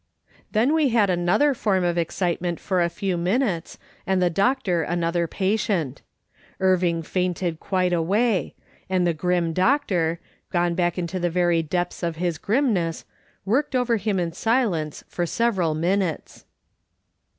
Then we had another form of excitement for a few minutes, and the doctor another patient. Irving fainted quite away, and the grim doctor, gone back into the very depths of his grimness, worked over him in silence for several minutes.